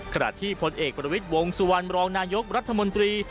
ขณะที่พลเอกประวิทย์วงสุวรรณรองนายกรัฐมนตรี